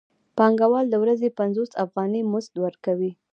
پانګوال د ورځې پنځوس افغانۍ مزد ورکوي